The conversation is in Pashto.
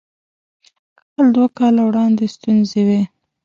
کال دوه کاله وړاندې ستونزې وې.